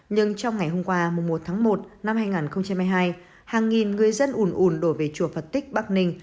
nhưng trong ngày hôm qua một một một hai nghìn một mươi hai hàng nghìn người dân ủn ủn đổi về chùa phật tích bắc ninh